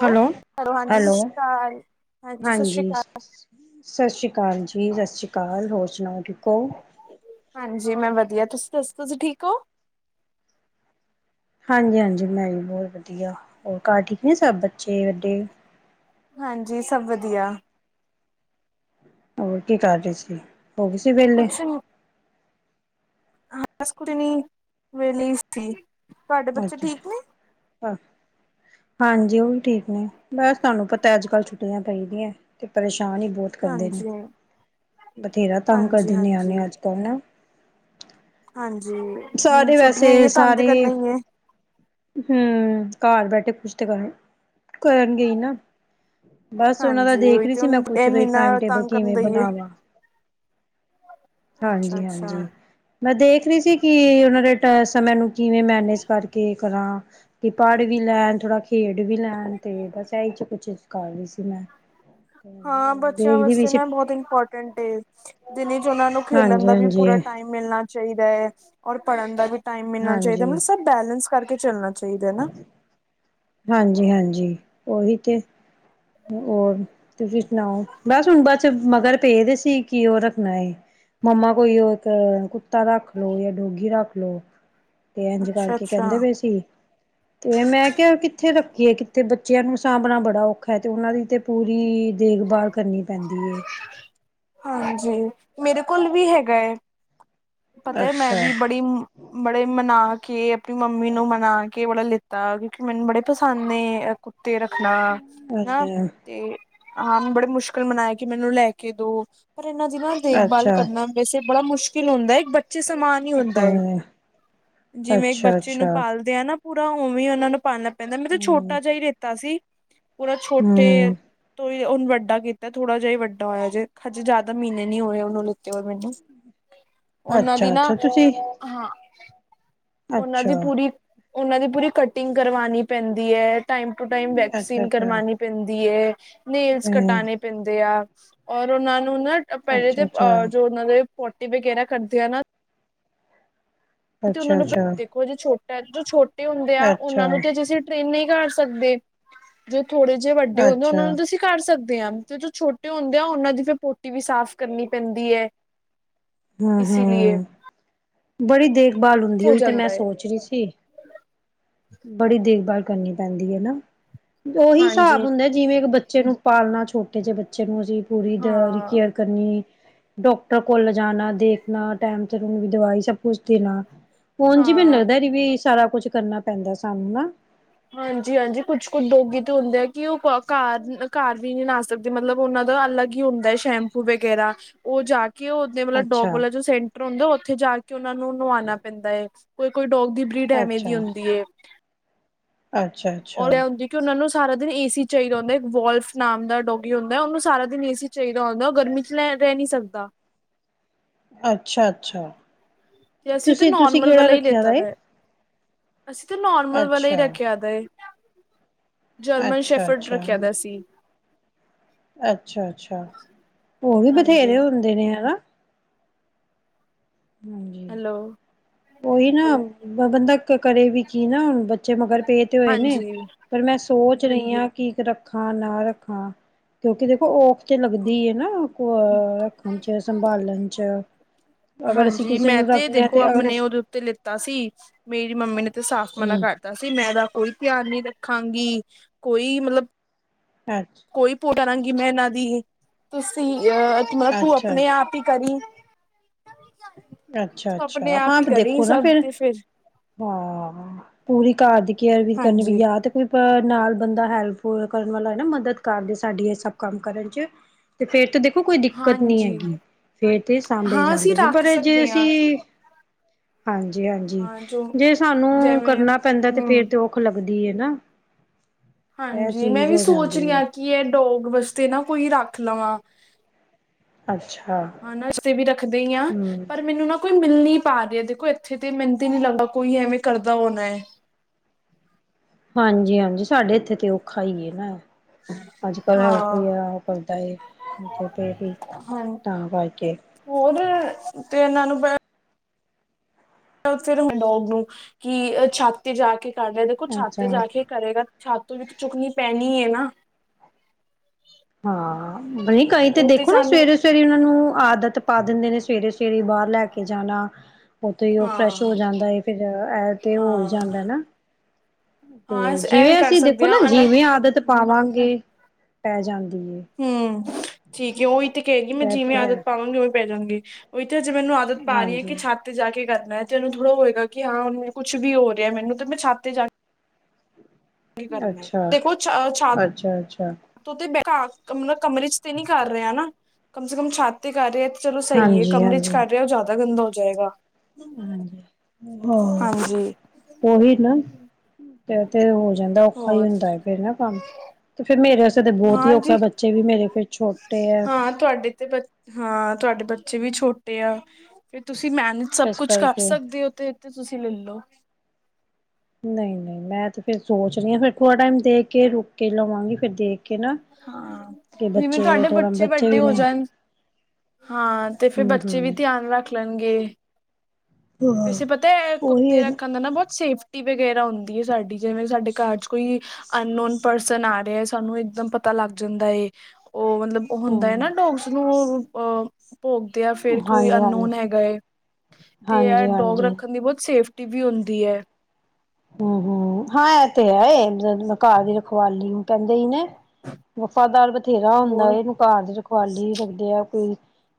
Hello, hello, ਹਾਂਜੀ ਸਤਿ ਸ਼੍ਰੀ ਅਕਾਲ, ਹਾਂਜੀ ਸਤਿ ਸ੍ਰੀ ਅਕਾਲ। ਸਤਿ ਸ਼੍ਰੀ ਅਕਾਲ ਜੀ -ਸਤਿ ਸ਼੍ਰੀ ਅਕਾਲ, ਹੋਰ ਸੁਣਾਓ, ਠੀਕ ਹੋ? ਹਾਂਜੀ ਮੈਂ ਵਧੀਆ, ਤੁਸੀ ਦੱਸੋ ਤੁਸੀ ਠੀਕ ਹੋ? ਹਾਂਜੀ -ਹਾਂਜੀ ਮੈਂ ਵੀ ਬਹੁਤ ਵਧੀਆ, ਹੋਰ ਘਰ ਠੀਕ ਨੇ ਸਭ ਬੱਚੇ, ਵੱਡੇ? ਹਾਂਜੀ, ਸਭ ਵਧੀਆ। ਹੋਰ ਕੀ ਕਰ ਰਹੀ ਸੀ ਹੋ ਗਏ ਸੀ ਵੇਹਲੇ? ਹਾਂ ਬਸ ਕੁੱਝ ਨਹੀਂ, ਵੇਹਲੀ ਹੀ ਸੀ। ਤੁਹਾਡੇ ਬੱਚੇ ਅੱਛਾ ਠੀਕ ਨੇ? ਹਾਂਜੀ ਉਹ ਵੀ ਠੀਕ ਨੇ। ਬਸ ਤੁਹਾਨੂੰ ਪਤਾ ਅੱਜ ਕੱਲ ਛੁੱਟੀਆਂ ਪਈ ਦੀਆਂ। ਤੇ ਪਰੇਸ਼ ਸ਼ਾਨ ਬਹੁਤ ਕਰਦੇ ਨੇ, ਹਾਂਜੀ ਬਥੇਰਾ ਤੰਗ ਹਾਂਜੀ ਕਰਦੇ ਹਾਂਜੀ ਨਿਆਣੇ ਅੱਜ- ਕੱਲ ਨਾ। ਜੀ ਹਮ ਸਾਰੇ ਛੁੱਟੀਆਂ ਹੀ ਵੈਸੇ ਏ ਤੰਗ ਤੇ ਸਾਰੇ ਕਰਨਾ ਹੀ ਏ। ਹਮ ਘਰ ਬੈਠੇ ਕੁਛ ਤੇ ਕਰਨ ਕਰਨ ਗਈ ਨਾ ਬਸ ਉਹਨਾਂ ਦਾ ਹਾਂਜੀ ਦੇਖ ਉਹੀ ਰਹੀ ਤੇ ਸੀ ਮੈਂ ਹੁਣ ਕੁਛ ਇਹ ਵੀ ਟਾਈਮ ਮਹੀਨਾ ਟੇਬਲ ਤੰਗ ਕਰਨ ਕਿਵੇਂ ਦਾ ਹੀ ਹੈ ਬਣਾਵਾਂ ਅੱਛਾ ਹਾਂਜੀ ਅੱਛਾ ਹਾਂਜੀ ਮੈਂ ਦੇਖ ਰਹੀ ਸੀ ਕਿ ਉਹਨਾਂ ਦੇ ਸਮੇ ਨੂੰ ਕਿਵੇਂ ਮੈਨੇਜ ਕਰਕੇ ਕਰਾਂ ਕਿ ਪੜ੍ਹ ਵੀ ਲੈਣ ਥੋੜਾ ਖੇਡ ਵੀ ਲੈਣ ਤੇ ਬਸ ਇਹੀ ਚ ਕੁਛ ਕਰ ਰਹੀ ਸੀ ਮੈਂ ਹਾਂ ਬੱਚਿਆਂ ਦੇਖਦੀ ਵੀ ਵਾਸਤੇ ਸੀ ਨਾ ਬਹੁਤ ਇੰਪੋਰਟੈਂਟ ਜਿਨੇ ਚ ਉਹਨਾਂ ਨੂੰ ਖੇਲਣ ਹਾਂਜੀ ਦਾ ਵੀ ਹਾਂਜੀ ਪੂਰਾ ਟਾਈਮ ਮਿਲਣਾ ਚਾਹੀਦਾ ਹੈ ਔਰ ਪੜ੍ਹਨ ਦਾ ਵੀ ਟਾਈਮ ਮਿਲਣਾ ਚਾਹੀਦਾ ਮਤਲਬ ਹਾਂਜੀ ਸ ਬੈਲੈਂਸ ਕਰਕੇ ਚੱਲਣਾ ਚਾਹੀਦੇ ਨਾ ਹਾਂਜੀ ਹਾਂਜੀ ਉਹੀ ਤੇ ਹੋਰ ਤੁਸੀਂ ਸੁਣਾਓ ਬਸ ਹੁਣ ਬਸ ਮਗਰ ਪਏ ਦੇ ਸੀ ਕਿ ਉਹ ਰੱਖਣਾ ਹੈ ਮੰਮਾ ਕੋਈ ਉਹ ਇੱਕ ਕੁੱਤਾ ਰੱਖ ਲਓ ਜਾਂ ਡੋਗੀ ਰੱਖ ਲੋ ਤੇ ਇੰਝ ਕਰਕੇ ਅੱਛਾ-ਅੱਛਾ ਕਹਿੰਦੇ ਪਏ ਸੀ ਤੇ ਮੈਂ ਕਿਹਾ ਕਿ ਰੱਖੀਏ ਕਿੱਥੇ ਬੱਚਿਆਂ ਨੂੰ ਸਾਂਭਣਾ ਬੜਾ ਔਖਾ ਹੈ ਤੇ ਉਹਨਾਂ ਦੀ ਤੇ ਪੂਰੀ ਦੇਖਭਾਲ ਕਰਨੀ ਪੈਂਦੀ ਹੈ ਹਾਂਜੀ ਮੇਰੇ ਕੋਲ ਵੀ ਹੈਗਾ ਹੈ ਪਤਾ ਹੈ ਮੈਂ ਅੱਛਾ। ਵੀ ਬੜੀ ਬੜੇ ਮਨਾ ਕੇ ਆਪਣੀ ਮੰਮੀ ਨੂੰ ਮਨਾ ਕੇ ਬੜਾ ਲਿੱਤਾ ਕਿਉਂਕਿ ਮੈਨੂੰ ਬੜੇ ਪਸੰਦ ਨੇ ਤੇ ਰੱਖਣਾ ਹਨ ਅੱਛਾ, ਤੇ ਹਾਂ ਬੜੇ ਮੁਸ਼ਕਿਲ ਮਨਾਇਆ ਕਿ ਮੈਨੂੰ ਲੈ ਕੇ ਦੋ ਹ ਪਰ ਇਹਨਾਂ ਦੀ ਨਾਲ ਦੇਖਭਾਲ ਅੱਛਾ, ਕਰਨਾ ਵੈਸੇ ਬੜਾ ਮੁਸ਼ਕਿਲ ਹੁੰਦਾ ਇੱਕ ਬੱਚ ਬੱਚੇ ਸਮਾਨ ਹੀ ਹੁੰਦਾ ਜਿਵੇਂ ਅੱਛਾ, ਬੱਚੇ ਨੂੰ ਅੱਛਾ। ਪਾਲਦੇ ਆ ਨਾ ਪੂਰਾ ਓਵੇ ਹੀ ਉਹਨਾ ਨੂੰ ਪਾਲ ਪਹਿੰਦਾ ਮੈਂ ਤਾਂ ਹੂੰ, ਛੋਟਾ ਜਿਹਾ ਹੀ ਲਿਤਾ ਸੀ ਪੂਰਾ ਛੋਟੇ ਹੂੰ, ਤੋਂ ਤੇ ਹੁਣ ਵੱਡਾ ਕੀਤਾ ਥੋੜਾ ਜਿ ਹੀ ਵੱਡਾ ਹੋਇਆ ਜੇ ਹਜੇ ਜਿਆਦਾ ਮਹੀਨੇ ਨਹੀਂ ਹੋ ਉਹਨੂੰ ਲਿੱਤੇ ਹੋਏ ਮੈਨੂੰ ਉਹਨਾਂ ਦੀ ਅੱਛਾ, ਨਾ ਅੱਛਾ ਤੁਸੀਂ ਹਾਂ ਉਹਨਾਂ ਦੀ ਅੱਛਾ, ਪੂਰੀ ਉਹਨਾਂ ਦੀ ਪੂਰੀ ਕਟਿੰਗ ਕਰਵਾਉਣੀ ਪੈਂਦੀ ਹੈ ਟਾਈਮ ਟੂ ਟਾਈਮ ਅੱਛਾ, ਵੈਕਸੀਨ ਅੱਛਾ। ਕਰਵਾਉਣੀ ਪੈਂਦੀ ਹੈ ਨੇਲਸ ਹੂੰ, ਕਟਾਣੇ ਪੈਂਦੇ ਆ ਔਰ ਉਹਨਾਂ ਨਾ ਪਹਿਲੇ ਤੇ ਅੱਛਾ, ਅੱਛਾ, ਅਹ ਜੋ ਅੱਛਾ, ਉਹਨਾਂ ਦੇ ਪੋਟੀ ਵਗੈਰਾ ਕਰਦੇ ਆ ਨਾ। ਤੇ ਉਹਨਾ ਅੱਛਾ, ਨੂੰ ਦੇਖੋ ਜੇ ਛੋਟੇ ਜੋ ਛੋਟਾ ਹੁੰਦੇ ਆ ਉਹਨਾਂ ਅੱਛਾ। ਨੂੰ ਤੇ ਅਸੀਂ ਟ੍ਰੇਨਿੰਗ ਕਰ ਸਕਦੇ ਜੋ ਥੋੜੇ ਜਿਹੇ ਵੱਡੇ ਹੁੰਦੇ ਉਹ ਅੱਛਾ, ਨੂੰ ਅਸੀਂ ਕਰ ਸਕਦੇ ਤੇ ਜੋ ਛੋਟੇ ਹੁੰਦੇ ਆ ਉਹਨਾਂ ਦੀ ਫਿਰ ਪੋਟੀ ਵੀ ਸਾਫ਼ ਕਰਨੀ ਪੈਂਦੀ ਹੈ। ਹੂੰ ਇਸੀ ਲਈਏ ਹੂੰ ਬੜੀ ਦੇਰ ਬਾਲ ਹੁੰਦੀ ਹੋ ਹੋਈ ਤੇ ਮੈਂ ਜਾਂਦਾ ਹੈ ਸੋਚ ਰਹੀ ਸੀ। ਬੜੀ ਦੇਖਭਾਲ ਕਰਨੀ ਪੈਂਦੀ ਹੈ ਨਾ ਉਹੀ ਹਿਸਾਬ ਹਾਂਜੀ ਹੁੰਦਾ ਜਿਵੇਂ ਬੱਚੇ ਬੱਚੇ ਨੂੰ ਪਾਲਣਾ ਛੋਟੇ ਜਹੇ ਬੱਚੇ ਅੱਛੇ ਮਜ਼ੀ ਪੂਰੀ ਉਹਦੀ ਹਾਂ ਕੇਅਰ ਕਰਨੀ ਡਾਕਟਰ ਕੋਲ ਜਾਣਾ ਦੇਖਣਾ ਟੈਮ ਤੇ ਵੀ ਦਵਾਈ ਪੁੂਛਦੀ ਨਾ ਫੋਨ ਜੀ ਮੈਨੂੰ ਹਾਂ ਲਗਦਾ ਵੀ ਸਾਰਾ ਸਾਰਾ ਕੁੱਛ ਕਰਨਾ ਪੈਂਦਾ ਸਾਨੂੰ ਨਾ ਹਾਂਜੀ ਹਾਂਜੀ ਕੁੱਛ ਕੁਛ ਦੋਗੀ ਤੇ ਹੁੰਦੇ ਆ ਕਿ ਉਹ ਕਾਰ ਕਾਰ ਵੀ ਨਹੀਂ ਨਾ ਸਕਦੇ ਮਤਲਬ ਉਹਨਾਂ ਦਾ ਅਲੱਗ ਹੀ ਹੁੰਦਾ ਹੈ ਸ਼ੈਂਪੂ ਵਗੈਰਾ ਉਹ ਜਾ ਕਿ ਉਦੇ ਡੋਗ ਅੱਛਾ ਵਾਲਾ ਜੋ ਸੈਂਟਰ ਹੁੰਦਾ ਉੱਥੇ ਜਾ ਕੇ ਉਹਨਾ ਨੂੰ ਨੁਵਾਉਣਾ ਪੈਂਦਾ ਹੈ। ਕੋਈ ਕੋਈ ਡੋਗ ਦੀ ਬ੍ਰੀਡ ਐਵੇਂ ਅੱਛਾ ਦੀ ਹੁੰਦੀ ਐ‌ ਅੱਛਾ ਅੱਛਾ। ਕਿ ਉਹਨਾਂ ਨੂੰ ਸਾਰਾ ਦਿਨ ਏ ਸੀ ਚਾਹੀਦਾ ਹੁੰਦਾ ਇੱਕ ਵੋਲਫ ਨਾਮ ਦਾ ਡੋਗੀ ਹੁੰਦਾ ਉਹਨੂੰ ਸਾਰਾ ਦਿਨ ਏ ਸੀ ਚਾਹੀਦਾ ਹੁੰਦਾ ਉਹ ਗਰਮੀ ਚ ਲੈ ਰਹਿ ਨਹੀਂ ਸਕਦਾ। ਅੱਛਾ ਅੱਛਾ। ਤੇ ਅਸੀਂ ਤਾਂ ਤੁਸੀਂ ਤੁਸੀਂ ਨੋਰਮਲ ਕਿਹੜਾ ਵਾਲਾ ਹੀ ਰੱਖਿਆ ਲੇਤਾ ਵੈ ਦਾ ਅਸੀਂ ਤਾਂ ਨੋਰਮਲ ਵਾਲਾ ਹੀ ਰੱਖਿਆ ਦਾ ਜਰਮਨ ਅੱਛਾ ਸ਼ੈਫਰਡ ਅੱਛਾ ਰੱਖਿਆ ਦਾ ਸੀ। ਅੱਛਾ ਅੱਛਾ ਹੋ ਵੀ ਹਾਂਜੀ ਬਥੇਰੇ ਹੁੰਦੇ ਨੇ ਹਨਾ ਹਾਂਜੀ ਹੈਲੋ ਉਹੀ ਨਾ ਬੰਦਾ ਕਰੇ ਵੀ ਕੀ ਨਾ ਹੁਣ ਬੱਚੇ ਮਗਰ ਪਏ ਤੇ ਹੋਏ ਨੇ ਹਾਂਜੀ ਪਰ ਮੈਂ ਸੋਚ ਰਹੀ ਹਾਂ ਕਿ ਰੱਖਾਂ ਨਾ ਰੱਖਾਂ ਕਿਉਂਕਿ ਦੇਖੋ ਔਖ ਤੇ ਲੱਗਦੀ ਹੈ ਨਾ ਕੋਯਾ ਰੱਖਣ ਚ ਸੰਭਾਲਣ ਚ ਅਗਰ ਅਸੀਂ ਹਾਂਜੀ ਕਿਸੇ ਮੈਂ ਨੂੰ ਤੇ ਰੱਖਦੇ ਹਾਂ ਦੇਖੋ ਅਗਰ ਆਪਣੇ ਉਹਦੇ ਉੱਤੇ ਲਿੱਤਾ ਸੀ। ਮੇਰੀ ਮੰਮੀ ਨੇ ਤੇ ਸਾਫ਼ ਮਨਾ ਹਮ ਕਰਤਾ ਸੀ ਮੈਂ ਐਦਾ ਕੋਈ ਧਿਆਨ ਨਹੀਂ ਰੱਖਾਂਗੀ ਕੋਈ ਮਤਲਬ ਅੱਛਾ ਕੋਈ ਪੋ ਕਰਾਂਗੀ ਮੈਂ ਇਹਨਾਂ ਦੀ ਤੁਸੀਂ ਅ ਤੂੰ ਨਾ ਤੂੰ ਅੱਛਾ ਆਪਣੇ ਅੱਛਾ ਆਪ ਹੀ ਕਰੀ। ਅੱਛਾ ਆਪਣੇ ਅੱਛਾ ਆਪ ਹਾਂ ਹੀ ਕਰੀ ਦੇਖੋ ਨਾ ਸਭ ਫਿਰ ਤੇ ਹਾਂ ਪੂਰੀ ਘਾਰ ਦੀ ਕੇਅਰ ਵੀ ਕਰਨੀ ਪਈ ਹਾਂਜੀ। ਯਾਂ ਤੇ ਕੋਈ ਬਾਹਰ ਨਾਲ ਬੰਦਾ ਹੈਲਪ ਹੁਲਪ ਕਰਨ ਵਾਲਾ ਹੋਏ ਨਾ ਮਦਦ ਕਾਰਦੇ ਸਾਡੀ ਇਹ ਸਭ ਕੰਮ ਕਰਨ ਚ ਤੇ ਫੇਰ ਤਾਂ ਦੇ ਖੋ ਕੋਈ ਦਿੱਕਤ ਨੀ ਹਾਂਜੀ ਹੈਗੀ। ਫੇਰ ਤੇ ਸਾਂਭੇ ਹਾਂ ਅਸੀਂ ਜਾਂਦੇ ਨੇ ਰੱਖ ਪਰ ਸਕਦੇ ਹਾਂ ਅਸੀਂ ਹਾਂਜੀ ਹਾਂਜੀ ਹਾਂ ਜੋ ਜੇ ਸਾਨੂੰ ਜਿਵੇਂ ਕਰਨਾ ਪੈਂਦਾ ਤੇ ਹਮ ਫੇਰ ਤੇ ਔਖ ਦੀ ਹੈ ਨਾ ਇਹ ਹਾਂਜੀ ਮੈਂ ਚੀਜ਼ ਵੀ ਹੋ ਸੋਚ ਜਾਂਦੀ ਰਹੀ ਹੈ ਹਾਂ, ਕਿ ਇਹ ਡੋਗ ਵਾਸਤੇ ਨਾ ਕੋਈ ਰੱਖ ਰਖ ਲਵਾਂ। ਅੱਛਾ ਖਾਨ ਵਸਤੇ ਵੀ ਰੱਖਦੇ ਹੀ ਹਾਂ, ਹਮ ਪਰ ਮੈਨੂੰ ਨਾ ਕੋਈ ਮਿਲਣੀ ਪਾ ਰਹਾ ਹੇ ਦੇਖੋ ਇੱਥੇ ਤੇ ਮੈਨੂੰ ਹੀ ਨੀ ਲੱਗਦਾ ਕੋਈ ਐਵੇਂ ਕਰਦਾ ਹੋਣਾ ਹੈ। ਹਾਂਜੀ ਹਾਂਜੀ ਸਾਡੇ ਇੱਥੇ ਤੇ ਔਖਾ ਹੀ ਨਾ। ਅੱਜ ਕੱਲ੍ਹ ਹਰ ਹਾਂ। ਕੋਈ ਆ ਉਹ ਕਰਦਾ ਹੈ ਤੇ ਹੀ ਹਾਂ ਤਾਂ ਕਰਕੇ। ਹਾਂ [unintelligible] ਫਿਰ ਹੁੰਨ ਡੋਗ ਨੂੰ ਕਿ ਛੱਤ ਤੇ ਜਾ ਕੇ ਕਰ ਰਿਹਾ, ਦੇਖੋ ਛਾਤ ਤੇ ਅੱਛਾ ਜਾ ਕੇ ਕਰੇਗਾ ਛਾਤ ਵਿੱਚ ਚੁੱਕਣੀ ਪੈਣੀ ਨੀ ਹੈ ਨਾ ਹਾਂ ਬਈ ਕਈ ਤੇ ਉਹ ਦੇਖੋ ਨਾ ਸਾਨੂੰ ਸਵੇਰੇ ਸਵੇਰੇ ਉਹਨਾਂ ਨੂੰ ਆਦਤ ਪਾ ਦਿੰਦੇ ਨੇ ਸਵੇਰੇ ਸਵੇਰੇ ਬਾਹਰ ਲੈ ਕੇ ਜਾਣਾ, ਉਥੇ ਹੀ ਉਹ ਹਾਂ ਫਰੈਸ਼ ਹੋ ਜਾਂਦਾ ਹੈ ਫਿਰ ਏ ਤੇ ਹਾਂ ਹੋ ਹੀ ਜਾਂਦਾ ਹਾਂ ਨਾ। ਹਾਂ ਤੇ ਅਸ ਇਹ ਵੀ ਜਿਵੇਂ ਕਰ ਅਸੀਂ ਦੇਖੋ ਸਕਦੇ ਹਾਂ ਨਾ ਅਨ ਜਿਵੇਂ ਆਦਤ ਪਾਵਾਂਗੇ ਪੈ ਜਾਂਦਾ ਹਮ ਠੀਕ ਉਹਹੀ ਤੇ ਕਹਿਗੀ ਮੈਂ ਇਹ ਜਿਵੇਂ ਤੇ ਆਦਤ ਹੈ ਪਾਵਾਂਗੀ ਉਹ ਪੈ ਜਾਂਾਂਗੇ ਉ ਚੇ ਮੈਨੂੰ ਆਦਤ ਪਾ ਰਹੀ ਹੈ ਕਿ ਹਾਂਜੀ ਛੱਤ ਤੇ ਜਾ ਕੇ ਕਰ ਤੇੈਨ ਥੋੜ੍ਹਾ ਹੋਏਗਾ ਕਿ ਹਾਂ ਹੁਣ ਕੁਛ ਵੀ ਹੋ ਰਿਹਾ ਮੈਨੂੰ ਤੇ ਮੈਂ ਛਾਤਤੇ ਜਾ ਕੀ ਕਰਨਾ ਅੱਛਾ, ਦੇਖੋ ਛ ਛ ਅੱਛਾ-ਅੱਛਾ। ਤ ਤੇ ਘਾ ਮਤਲਬ ਕਮਰੇ ਚ ਤੇ ਨਹੀਂੀ ਕਰ ਰਿਹਾ ਹਨਾ ਕਮ ਸੇ ਕਮ ਛਤ ਤੇ ਕਰ ਰਿਹਾ ਚਲੋ ਸਹੀ ਹੈ ਕਮਰੇ ਚ ਹਾਂਜੀ-ਹਾਂਜੀ, ਕਰ ਰਿਹਾ ਉਹ ਜ਼ਿਆਦਾ ਗੰਦਾ ਜਾਏਗਾ ਹਜੀ ਹ ਹਾਂਜੀ ਉਹੀ ਨਾ ਤੇ ਹੋ ਜਾਂਦਾ ਔਖਾ ਹੀ ਹੋਰ ਹੁੰਦਾ ਫਿਰ ਨਾ ਕੰਮ ਤੇ ਫੇਿਰ ਮੇਰੇ ਕਦੇ ਬਹੁਤ ਹੀ ਔਖਾ ਹਾਂਜੀ ਬੱਚੇ ਵੀ ਮੇਰੇ ਫੇਿਰ ਛੋਟੇ ਹੈ ਹਾਂ ਤੁਹਾਡੇ ਤੇ ਬ ਹਾਂ ਤੁਹਾਡੇ ਬੱਚੇ ਵੀ ਛੋਟੇ ਆ ਫਿਰ ਤੁਸੀਂ ਤੁਸੀਂ ਮੈਨਜ ਸਭ ਇਸ ਕੁਛ ਕਰ ਕਰਕੇ ਸਕਦੇ ਹੋ ਤੇ ਤੇ ਤੁਸੀਂ ਲੈਲੋ ਨਹੀਂ ਨਹੀਂ ਮੈਂ ਤੇ ਫੇਿਰ ਸੋਚ ਰਹੀ ਆ ਫਿਰ ਥੋੜਾ ਟਾਈਮ ਦੇਖ ਕੇ ਰੁਕ ਕੇ ਲਵਾਂਗੀ ਫਿਰ ਦੇਖ ਕੇ ਨਾ ਹਾਂ ਕਿ ਜਿਵੇਂ ਬੱਚੇ ਸਾਡੇ ਥੋੜਾ ਬੱਚੇ ਵੱਡੇ ਵੀ ਹੋ ਮੈਂ ਜਾਣ ਹਾਂ ਤੇ ਫਿਰ ਹੂੰ ਬੱਚੇ ਵੀ ਹੂੰ ਧਿਆਨ ਰੱਖ ਲੈਣਗੇ ਹਾਂ ਵੈੇ ਪਤਾ ਉਹੀ ਕੁੱਤੇ ਹੈ ਰੱਖਣ ਦੇ ਨਾ ਬਹੁਤ ਸੇਫ ਪਟੀ ਵਗੈਰਾ ਹੁੰਦੀ ਹੈ ਸਾਡੀ ਜਿਵੇਂ ਸਾਡੇ ਘਰ ਚ ਕੋਈ ਅਨਨੋਨ ਪਰਸਨ ਆ ਰਿਹਾ ਹੈ ਸਾਨੂੰ ਇੱਕਦਮ ਪਤਾ ਲੱਗ ਜਾਂਦਾ ਹੈ ਉਹ ਮਤਲਬ ਉਹ ਹੁੰਦਾ ਹੂੰ ਨਾ ਡੋਗਸ ਨੂੰ ਅ ਭੋਗਦੇ ਆ ਫੇਿਰ ਕੋਈ ਹਾਂਜੀ ਹਾਂਜੀ ਅਨਨੋਨ ਹੈਗਾ ਤੇ ਇਹ ਹਾਂਜੀ ਡੋਗ ਹਾਂਜੀ ਰੱਖਣ ਦੀ ਬਹੁਤ ਸੇਫਟੀ ਰਟੀ ਵੀ ਹੁੰਦੀ ਹੈ ਹਮ ਹਮ ਹਾਂ ਇਹ ਤੇ ਹੈ ਇਹ ਘਰ ਦੀ ਰਖਵਾਲੀ ਨੂੰ ਕਹਿੰਦੇ ਹੀ ਨੇ ਵਫ਼ਾਦਾਰ ਬਥੇਰਾ ਹੁੰਦਾ ਹੋਰ ਇਹਨੂੰ ਕਾਰਜ ਰਖਵਾਲੀ ਰੱਖਦੇ ਆ ਕੋਈ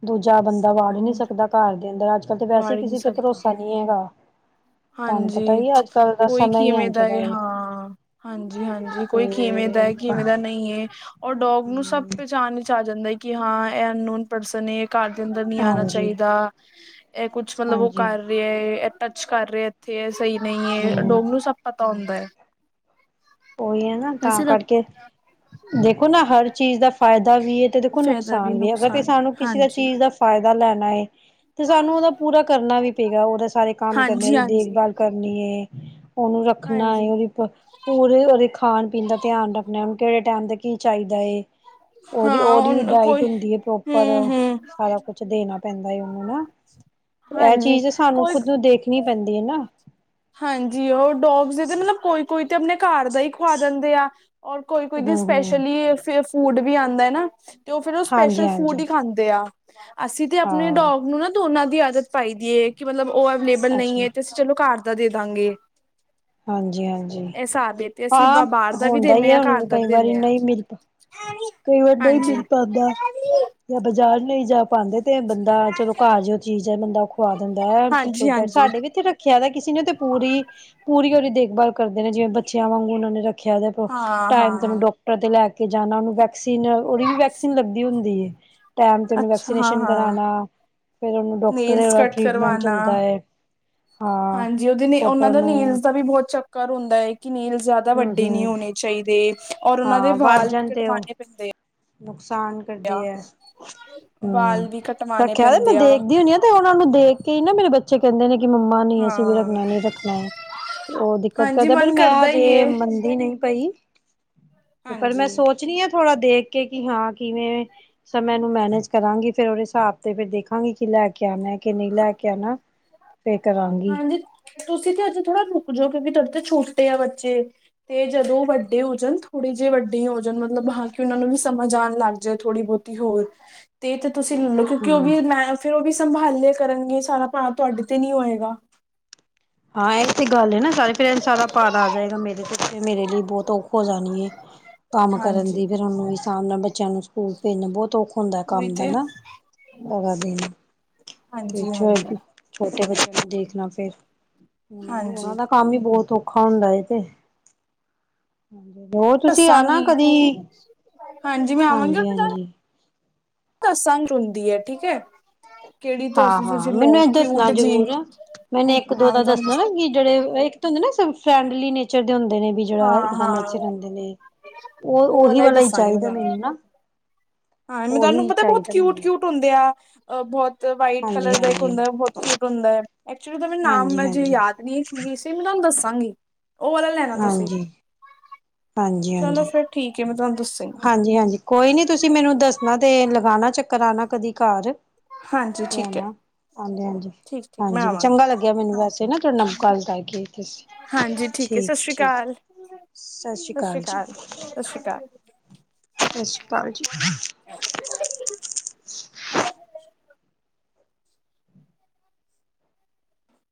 ਦੂਜੇ ਜਾਂ ਬੰਦਾ ਵਾੜ ਨਹੀਂੀ ਹੋਰ ਸਕਦਾ ਘਰ ਦੇ ਅੰਦਰ ਅੱਜ ਕੱਲ ਤੇ ਵੈਸੇ ਵਾੜ ਹੀ ਨਹੀਂ ਕਿਸੇ ਤੇ ਸਕਦਾ ਭਰੋਸਾ ਨਹੀਂੀ ਹੈਗਾ ਤੁਹਾਨੂੰ ਪਤਾ ਹਾਂਜੀ। ਹੀ ਅੱਜ ਕੱਲ੍ਹ ਦਾ ਕੋਈ ਸਮਾਂ ਹੀ ਕਿਵੇਂ ਇੰਝ ਦਾ ਏ ਹਾਂ, ਹਾਂਜੀ। ਹਾਂਜੀ। ਕੋਈ ਕਿਵੇਂ ਤੇ ਦਾ, ਕਿਵੇਂ ਦਾ ਨਹੀਂ ਔਰ ਡੋਗ ਨੂੰ, ਸਭ ਪਹਿਚਾਣ ਵਿਚ ਆ ਜਾਂਦਾ ਕਿ, ਹਾਂ, ਇਹ ਅਨਨੋਨ ਪਰਸਨ ਏ। ਘਰ ਦੇ ਅੰਦਰ ਨਹੀ ਆਣਾ ਹਾਂਜੀ ਚਾਹੀਦਾ। ਇਹ ਕੁੱਛ ਮਤਲਬ ਉਹ ਹਾਂਜੀ ਕਰ ਰਿਹਾ, ਅੱਚ ਕਰ ਰਹੇ ਇੱਥੇ ਸਹੀ ਨਹੀਂ ਹੈ, ਹਮ ਡੋਗ ਨੂੰ ਸਭ ਪਤਾ ਹਮ ਹੁੰਦਾ ਹੈ। ਉਹੀ ਹੈ ਨਾ, ਤਾਂ ਵੈਸੇ ਕਰਕੇ ਦੇਖੋ ਨਾ ਹਰ ਚੀਜ਼ ਦਾ ਫਾਇਦਾ ਵੀ ਹੈ, ਤੇ ਦੇਖੋ ਫਾਇਦਾ ਨੁਕਸਾਨ ਵੀ ਹੈ, ਅਗਰ ਤੇ ਨੁਕਸਾਨ ਵੀ, ਸਾਨੂੰ ਕਿਸੇ ਦਾ ਹਾਂਜੀ ਚੀਜ਼ ਦਾ ਫਾਇਦਾ ਲੈਣ ਣਾਏ। ਤੇ, ਸਾਨੂੰ ਉਹਦਾ ਪੂਰਾ ਕਰਨਾ ਵੀ ਪਏਗਾ, ਉਹਦਾ ਸਾਰੇ ਕੰਮ ਕਰਨੇ, ਹਾਂਜੀ ਉਹਦੀ ਹਾਂਜੀ ਦੇਖਭਾਲ ਕਰਨੀ ਏ। ਉਹਨੂੰ ਰੱਖਣੈ, ਹਾਂਜੀ ਉਹਦੀ ਖਾਣ-ਪੀਣ ਦਾ ਧਿਆਨ ਰੱਖਣਾ, ਕਿਹੜੇ ਟਾਈਮ ਦਾ ਕੀ ਚਾਹੀਦਾ ਹੈ, ਉਹਦੀ ਉਹਦੀ ਵੀ ਹਾਂ ਡਾਇਟ ਕੋਈ ਹੁੰਦੀ ਹੈ ਹਮ ਪ੍ਰੋਪਰ, ਹਮ ਸਾਰਾ ਕੁਛ ਦੇਣਾ ਪੈਂਦਾ ਉਹਨੂੰ ਨਾ ਤੇ, ਇਹ ਹਾਂਜੀ ਚੀਜ਼ ਸਾਨੂੰ ਕੋਈ ਖੁੱਦ ਨੂੰ ਦੇਖਣੀ ਪੈਂਦੀ ਹੈ, ਨਾ ਹਾਂਜੀ। ਉਹ ਡੋਗਸ ਦੇ ਮਤਲਬ ਕੋਈ ਕੋਈ ਤੇ, ਆਪਣੇ ਘਰ ਦਾ ਹੀ ਖਵਾ ਦਿੰਦੇ ਆ। ਔਰ ਕੋਈ- ਕੋਈ ਹੂੰ ਦੀ ਹੂੰ। ਸਪੈਸ਼ਲੀ ਫੂਡ ਵੀ ਆਉਂਦਾ ਐ, ਨਾ। ਤੇ, ਉਹ ਫੇਰ ਉਹ ਹਾਂਜੀ ਸਪੈਸ਼ਲ ਫੂਡ ਹਾਂਜੀ ਹੀ ਖਾਂਦੇ ਆ। ਹ [inaudible] ਅਸੀਂ ਤੇ, ਆਪਣੇ ਹਾਂ ਡੋਗ ਨੂੰ ਨਾ, ਦੋਨਾਂ ਦੀ ਆਦਤ ਪਾਈ ਦੀ ਏ, ਕਿ ਮਤਲਬ ਉਹ ਅਵੇਲੇਬਲ ਨਹੀਂ ਅੱਛਾ ਹੈ, ਤੇ ਅਸੀਂ ਚਲੋ ਘਰ ਦਾਦੀ ਤਾਂਗੀਗੇ ਹਾਂਜੀ, ਹਾਂਜੀ। ਤੇ ਅਸੀਂ ਹਾਂ, ਬਾਹਰ ਦਾ ਵੀ ਹੁੰਦਾ ਹੀ ਦਿੰਦੇ ਹੈ, ਹਾਂ ਘਰ ਹੁਣ ਦਾ ਕਈ ਵੀ ਵਾਰੀ ਦਿੰਦੇ ਹਾਂ ਨਹੀਂ ਮਿਲ ਕਈ ਵਾਰ ਨਹੀਂ ਹਾਂਜੀ ਮਿਲ ਪਾਉਦਾ ਜਾਂ, ਬਾਜ਼ਾਰ ਨਹੀਂ ਜਾ ਪਾਂਦੇ। ਤੇ, ਬੰਦਾ ਚਲੋ ਘਰ ਜਿ ਉਹ ਚੀਜ਼ ਹੈ, ਬੰਦਾ ਉਹ ਖੁਵਾ ਦਿੰਦਾ ਹਾਂਜੀ ਐ, ਹਾਂਜੀ ਸਾਡੇ ਵੀ ਇੱਥੇ ਰੱਖਿਆ ਦਾ ਕਿਸੇ ਤੇ, ਪੂਰੀ- ਪੂਰੀ ਉਹਦੀ ਦੇਖਭਾਲ ਕਰਦੇ ਨੇ, ਜਿਵੇਂ ਬੱਚਿਆਂ ਵਾਂਗੂ ਉਹਨਾਂ ਨੇ ਰੱਖ ਿਆ ਹਾਂ ਟਾਈਮ ਤੇਨੂੰ ਹਾਂ ਡਾਕਟਰ ਤੇ, ਲੈਕੇ ਕੇ ਜਾਣਿ ਉਹ ਨੂੰ ਵੈਕਸੀਨ ਉਹਦੀ ਵੀ, ਵੈਕਸੀਨ ਲੱਗਦੀ ਹੁੰਦੀ ਹੇ। ਅ ਟਾਈਮ ਤੇ ਉਹਨੂੰ ਅੱਛਾ ਹਾਂ ਵੈਕਸੀਨੇਸ਼ਨ ਹਾਂ ਕਰਾਣਾ। ਨੇਲਸ ਕੱਟ ਕਰਵਾਣਾ, ਹੈ ਹਾਂ ਹਾਂਜੀ, ਉਹਦੇ ਨੇ ਉਹਨਾਂ ਪ੍ਰੋਪਰ ਦਾ ਨੂੰ ਨੇਲਸ ਦਾ ਵੀ ਬਹੁਤ ਚੱਕ ਕਰ ਹੁੰਦਾ ਏ। ਕਿ ਨੇਲਸ ਜ਼ਿਆਦਾ ਹਮ ਵੱਡੇ ਨਹੀਂ ਹਮ ਹੋਣੇ ਚਾਹੀਦੇ। ਔਰ ਉਹਨਾਂ ਦੇ ਹਾਂ ਵੱਧ ਵਾਲ ਵੀ ਜਾਣ ਤੇ ਉਹ ਕਟਵਾਣੇ ਪੈਂਦੇ ਆ। ਨੁਕਸਾਨ ਕਰਦੇ ਹੈ। ਹਮ, ਵਾਲ ਵੀ ਕਟਵਾਣੇ ਰੱਖਿਆ ਦਿਆ, ਤੇ ਮੈਂ ਪੈਂਦੇ ਆ ਦੇਖਦੀ ਹੁੰਦੀ ਆ ਤੇ ਉਹਨਾਂ ਨੂੰ ਦੇਖ ਕੇ ਹੀ ਨਾ ਮੇਰੇ ਬੱਚੇ ਕਹਿੰਦੇ ਨੇ ਕਿ ਮੰਮਾ ਨੇ ਅਸੀਂ ਵੀ ਹਾਂ ਰੱਖਣਾ, ਨਹੀਂ ਰੱਖਣਾ ਏ, ਤੇ ਉਹ ਦਿੱਕਤ ਹਾਂਜੀ ਕਰਦਾ, ਪਰ ਮਨ ਮੈਂ ਹੀ ਹਜੇ ਏ ਮੰਨਦੀ ਨਹੀਂ ਪਈ। ਤੇ ਪਰ ਮੈਂ ਹਾਂਜੀ ਸੋਚਣੀ ਆਂ ਥੋੜ੍ਹਾ ਦੇਖ ਕੇ ਕਿ ਹਾਂ ਕਿਵੇਂ ਸਮੇ ਨੂੰ ਮੈਨੇਜ ਕਰਾਂਗੀ, ਫਿਰ ਉਹਦੇ ਹਿਸਾਬ ਤੇ ਦੇਖਾਂਗੇ ਕਿ ਲੈ ਕੇ ਆਣਾ ਕਿ ਨਹੀਂ ਲੈ ਕੇ ਆਣਾ। ਫੇਰ ਕਰਾਂਗੀ ਹਾਂਜੀ, ਤੁਸੀਂ ਤੇ ਅੱਜ ਥੋੜਾ ਰੁਕ ਜਾਓ ਕਿਉਂਕਿ ਤੁਹਾਡੀ ਛੋਟੇ ਆ ਬੱਚੇ। ਤੇ ਜਦੋਂ ਵੱਡੇ ਹੋ ਜਾਣ ਥੋੜ੍ਹੇ ਜਹੇ ਜੇ ਵੱਡੇ ਹੋ ਜਾਣ ਮਤਲਬ ਹਾਂ ਕਿ ਉਹਨਾਂ ਨੂੰ ਵੀ ਸਮਝ ਆਣ ਲੱਗ ਜਾਏ ਥੋੜੀ ਬਹੁਤੀ ਹੋਰ ਤੇ ਤੁਸੀਂ ਲੈ ਲਓ, ਕਿਉਂਕਿ ਉਹ ਹੂੰ। ਵੀ ਮੈਂ ਫੇਰ ਉਹ ਵੀ ਸੰਭਾਲੇ ਕਰਨਗੇ ਸਾਰਾ ਭਾਵ ਤੁਹਾਡੇ ਤੇ ਨਹੀਂ ਹੋਏਗਾ। ਹਾਂ ਇਹ ਤੇ ਗੱਲ ਹੈ ਨਾ। ਸਾਰੇ ਪਰਟ ਸਾਰਾ ਭਾਰ ਆ ਜਾਏਗਾ ਮੇਰੇ ਤੇ, ਫ਼ਿਰ ਮੇਰੇ ਲਈ ਬਹੁਤ ਔਖੀ ਹੋ ਜਾਣੀ ਹੈ। ਕੰਮ ਕਰਨ ਦੀ ਹਾਂਜੀ ਫੇਰ ਉਹਨੂੰ ਵੀ ਸਾਹਮ ਨਾਲ ਬੱਚਿਆਂ ਨੂੰ ਸਕੂਲ ਭੇਜਣਾ ਬਹੁਤ ਔਖਾ ਹੁੰਦਾ ਹੈ ਉਹੀ ਕੰਮ ਦਾ ਤੇ ਨਾ । ਹਾਂਜੀ ਹਾਂਜੀ [unintelligible] ਛੋਟੇ ਬੱਚਿਆਂ ਨੂੰ ਦੇਖਣਾ ਫੇਰ ਉਹਨਾਂ ਨੂੰ, ਹਾਂਜੀ ਉਹਨਾਂ ਦਾ ਕੰਮ ਵੀ ਬਹੁਤ ਔਖਾ। ਔਖਾ ਹੁੰਦਾ ਏ ਤੇ। ਉਹ ਤੁਸੀਂ ਆਣਾ ਦੱਸਾਂਗੀ ਕਦੀ, ਕਿ ਹਾਂਜੀ-ਹਾਂਜੀ ਤਸੰਗ ਹੁੰਦੀ ਹੈ, ਠੀਕ ਹੈ। ਕਿਹੜੀ ਹਾਂ ਤੁਸੀਂ ਹਾਂ ਤੁਸੀਂ ਮੈਨੂੰ ਲਓ ਇਹ ਦੱਸਣਾ ਕਿਊਟ ਜੀ ਜ਼ਰੂਰ ਆ, ਮੈਨੂੰ ਇੱਕ ਦੋ ਹਾਂ ਮੈਂ ਦਾ ਤੁਹਾਨੂੰ ਦੱਸਣਾ ਨਾ ਦੱਸਾਂ ਕਿ ਜਿਹੜੇ ਇੱਕ ਤਾਂ ਹੁੰਦੇ ਨਾ ਫਰੈਂਡਲੀ ਨੇਚਰ ਹੁੰਦੇ ਨੇ ਵੀ ਜਿਹੜਾ ਹਾਂ ਇਕਦਮ ਹਾਂ ਐਥੇ ਰਹਿੰਦੇ ਨੇ। ਉਹ ਉਹੀ ਵਾਲਾ ਹੀ ਚਾਹੀਦਾ ਮੈਨੂੰ ਨਾ, ਉਹੀ ਚਾਹੀਦਾ ਮੈਨੂੰ। ਅ ਬਹੁਤ ਵਾਈਟ ਹਾਂਜੀ ਕਲਰ ਦਾ ਇੱਕ ਹਾਂਜੀ ਹੁੰਦਾ ਬਹੁਤ ਕਿਊਟ ਹੁੰਦਾ ਹੈ। ਐਕਚੁਲੀ ਓਹਦਾ ਨਾਮ ਹਾਂਜੀ ਮੈਨੂੰ ਹਾਂਜੀ ਯਾਦ ਨਹੀ ਸੀ । ਮੈ ਤੁਆਨੂੰ ਦਸਿਆ ਸਾਂਗੀ ਉਹ ਵਾਲਾ ਲੈਣਾ ਤੁਸੀਂ। ਜੀ ਚਲੋ ਹਾਂਜੀ-ਹਾਂਜੀ [inaudible] ਹਾਂਜੀ ਹਾਂਜੀ ਕੋਈ ਨੀ ਤੁਸੀਂ ਮੈਨੂੰ ਦੱਸਣਾ ਤੇ ਲਗਾਉਣਾ ਚੱਕਰ ਫ਼ਿਰ ਆਨਾ ਕਦੀ ਘਰ ਹਾਂਜੀ ਠੀਕ ਹੈ ਲਿਆਣਾ ਹਾਂਜੀ-ਹਾਂਜੀ ਹਾਂਜੀ ਠੀਕ ਠੀਕ ਮੈਂ ਹਾਂਜੀ ਵੀ ਆਵਾਂਗੀ ਚੰਗਾ ਲੱਗਿਆ ਮੈਨੂੰ ਵੈਸੇ ਨਾ ਤੁਹਾਡੇ ਨਾਲ ਗੱਲ ਕਰਕੇ ਹਾਂਜੀ ਠੀਕ ਹੈ ਸਤਿ ਸ੍ਰੀ ਠੀਕ-ਠੀਕ ਅਕਾਲ ਸਤਿ ਸ੍ਰੀ ਅਕਾਲ ਸਤਿ ਸ੍ਰੀ ਅਕਾਲ ਸਤਿ ਸ਼੍ਰੀ ਅਕਾਲ ਜੀ। [inaudible] [inaudible]